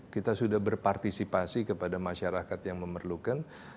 kita sudah berpartisipasi kepada masyarakat yang memerlukan